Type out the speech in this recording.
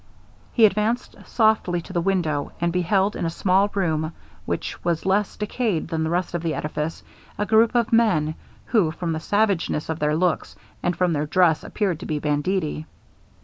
He advanced softly to the window, and beheld in a small room, which was less decayed than the rest of the edifice, a group of men, who, from the savageness of their looks, and from their dress, appeared to be banditti.